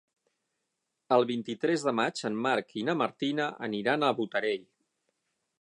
El vint-i-tres de maig en Marc i na Martina aniran a Botarell.